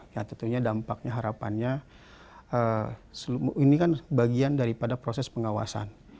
ya tentunya dampaknya harapannya ini kan bagian daripada proses pengawasan